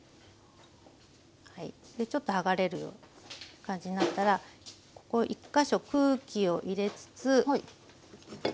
はいでちょっと剥がれるような感じになったら１か所空気を入れつつ。